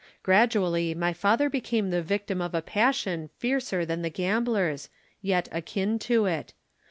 Gradually my father became the victim of a passion fiercer than the gambler's, yet akin to it.